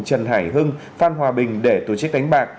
trần hải hưng phan hòa bình để tổ chức đánh bạc